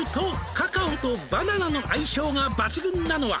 「カカオとバナナの相性が抜群なのは」